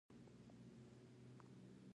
کلي د افغانانو د اړتیاوو د پوره کولو وسیله ده.